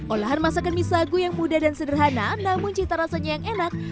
olahan masakan misago yang mudah dan sederhana namun cita rasanya yang enak